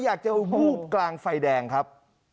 อยากจะวูบกลางไฟแดงครับ